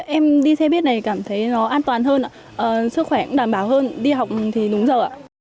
em đi xe buýt này cảm thấy nó an toàn hơn sức khỏe cũng đảm bảo hơn đi học thì đúng giờ ạ